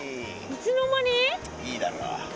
いいだろう。